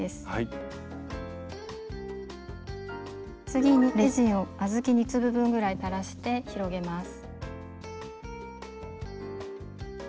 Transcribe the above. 次にレジンを小豆２粒分ぐらい垂らして広げます。